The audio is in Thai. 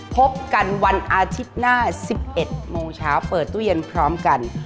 พบกันวันอาทิตย์หน้า๑๑โมงเช้าเปิดตู้เย็นพร้อมกัน